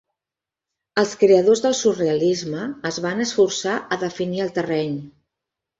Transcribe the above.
Els creadors del surrealisme es van esforçar a definir el terreny.